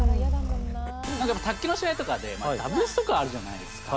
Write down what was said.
何か、やっぱ卓球の試合とかでダブルスとかあるじゃないですか。